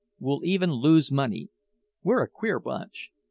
We'll even lose money. We're a queer bunch."